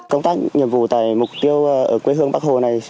công tác nhiệm vụ tại mục tiêu ở quê hương bắc hồ này